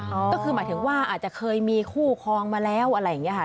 ก็คือหมายถึงว่าอาจจะเคยมีคู่คลองมาแล้วอะไรอย่างนี้ค่ะ